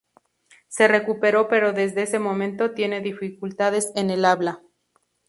Se recuperó pero desde ese momento tiene dificultades en el habla.